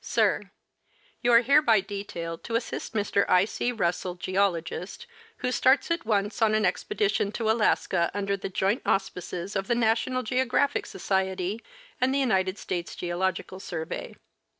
Sir : You are hereby detailed to assist Mr. I. C. Russell, Geologist, who starts at once on an expedition to Alaska, under the joint auspices of the National Geographic Society and the United States Geological Survey.